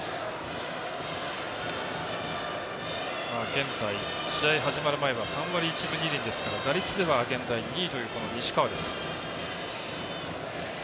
現在、試合始まる前までは３割１分２厘ですから打率では現在２位という西川です。